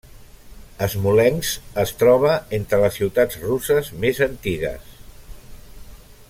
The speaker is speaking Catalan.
Smolensk es troba entre les ciutats russes més antigues.